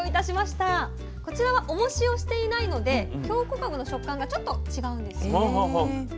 こちらはおもしをしていないので京こかぶの食感がちょっと違うんです。